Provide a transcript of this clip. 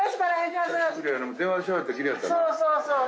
そうそうそう。